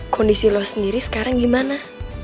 kondisi lo sendiri sekarang gimana